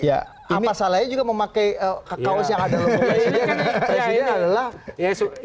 apa salahnya juga memakai kaos yang ada di luar